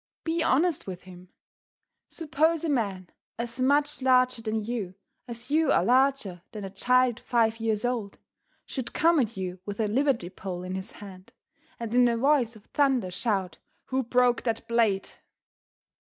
Be honest with him. Suppose a man as much larger than you as you are larger than a child five years old, should come at you with a liberty pole in his hand, and in a voice of thunder shout, "Who broke that plate?"